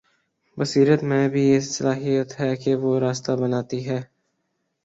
بصیرت میں بھی یہ صلاحیت ہے کہ وہ راستہ بناتی ہے۔